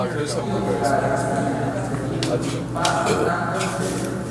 Tio okazas kiam asteroido pasas antaŭ stelon.